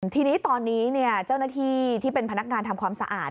ทีนี้ตอนนี้เจ้าหน้าที่ที่เป็นพนักงานทำความสะอาด